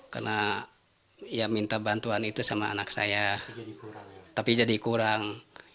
karena ia minta bantuan itu sama anak saya tapi jadi kurang